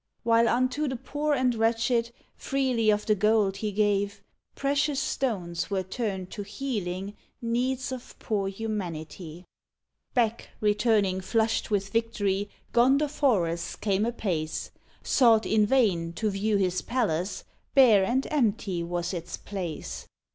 While unto the poor and wretched Freely of the gold gave he; Precious stones were turned to healing Needs of poor humanity! Back, returning flushed with victory, Gondoforus came apace; Sought, in vain, to view his palace Bare and empty was its place!